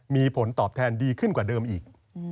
มีผลตอบแทนดีขึ้นกว่าเดิมอีก